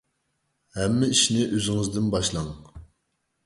ھەممە ئىشنى ئۆزىڭىزدىن باشلاڭ.